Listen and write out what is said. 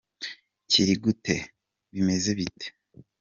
Kiri gute ?: bimeze bite ?.